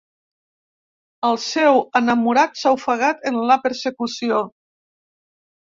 El seu enamorat s'ha ofegat en la persecució.